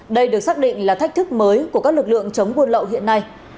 đây được xác định là thách thức mới của các lực lượng chống buôn lậu hiện nay